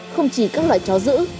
không chỉ các loại chó giữ